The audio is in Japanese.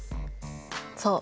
そう。